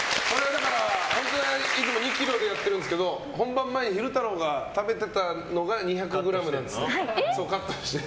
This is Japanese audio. いつも２ｋｇでやってるんですけど本番前に昼太郎が食べてたのが２００ｇなんですって。